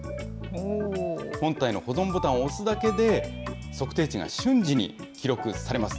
本体の保存ボタンを押すだけで、測定値が瞬時に記録されます。